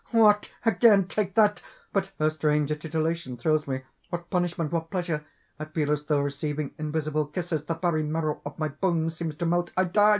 what! again. Take that! But how strange a titillation thrills me! What punishment! what pleasure! I feel as though receiving invisible kisses; the very marrow of my bones seems to melt. I die...."